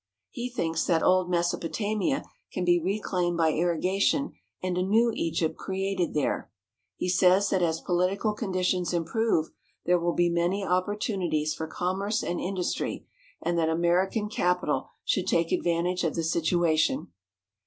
He thinks that old Mesopotamia can be reclaimed by irrigation and a new Egypt created there. He says that as political conditions improve there will be many opportunities for commerce and industry, and that American capital should take advantage of the situation.